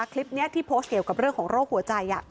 คลิปนี้ที่โพสต์เกี่ยวกับเรื่องของโรคหัวใจ